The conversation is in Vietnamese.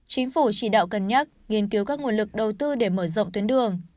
chính phủ chỉ đạo cân nhắc nghiên cứu các nguồn lực đầu tư để mở rộng tuyến đường